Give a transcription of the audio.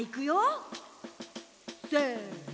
せの！